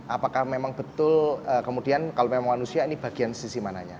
apakah memang betul kemudian kalau memang manusia ini bagian sisi mananya